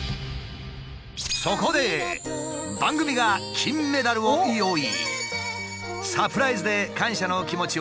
そこで番組が金メダルを用意。